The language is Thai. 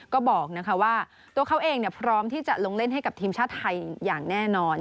ก็บอกว่าตัวเขาเองพร้อมที่จะลงเล่นให้กับทีมชาติไทยอย่างแน่นอน